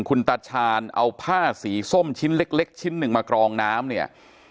คุณตาชาญเอาผ้าสีส้มชิ้นเล็กชิ้นหนึ่งมากรองน้ำเนี่ย